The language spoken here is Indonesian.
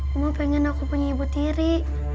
cuma pengen aku punya ibu tiri